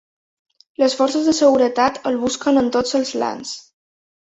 Les forces de seguretat el busquen en tots els lands.